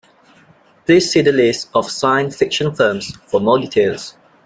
Please see the list of science fiction films for more details.